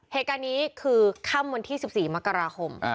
เหตุการณ์นี้คือค่ำวันที่๑๔มกราคม